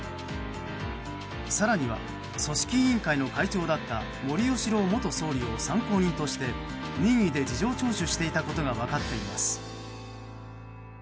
更には、組織委員会の会長だった森喜朗元総理を、参考人として任意で事情聴取をしていたことが分かっています。